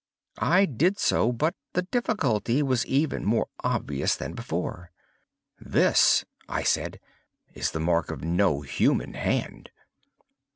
I did so; but the difficulty was even more obvious than before. "This," I said, "is the mark of no human hand."